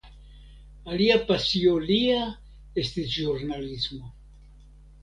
Alia pasio lia estis ĵurnalismo.